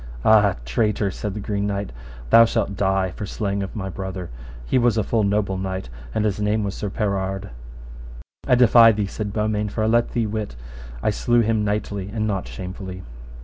Ah! traitor, said the Green Knight, thou shalt die for slaying of my brother; he was a full noble knight, and his name was Sir Perard. I defy thee, said Beaumains, for I let thee wit I slew him knightly and not shamefully.